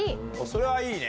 それはいいね！